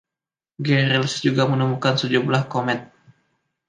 Gehrels juga menemukan sejumlah komet.